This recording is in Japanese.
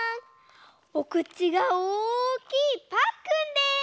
おくちがおおきいパックンです！